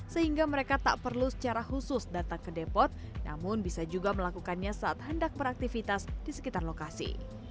sehingga mereka tak perlu secara khusus datang ke depot namun bisa juga melakukannya saat hendak beraktivitas di sekitar lokasi